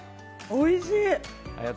おいしい！